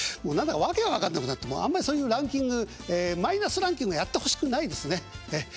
もう何だか訳が分かんなくなってあんまりそういうランキングマイナスランキングはやってほしくないですね。